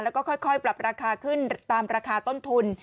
แล้วก็ค่อยปรับราคาขึ้นตามราคาต้นทุน